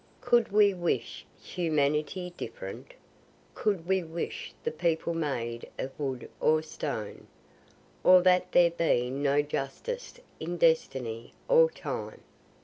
Could we wish humanity different? Could we wish the people made of wood or stone? Or that there be no justice in destiny or time?